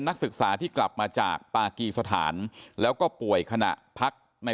นักศึกษาที่กลับมาจากปากีสถานแล้วก็ป่วยขณะพักใน